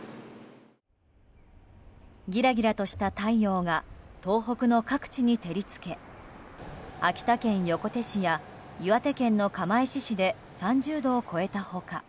ギラギラとした太陽が東北の各地に照りつけ秋田県横手市や岩手県の釜石市で３０度を超えた他